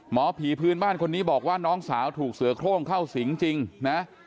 หมอผีพื้นบ้านคนนี้บอกว่าน้องสาวถูกเสือโครงเข้าสิงจริงนะ